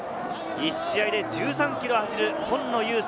１試合で１３ｋｍ走る今野友聖。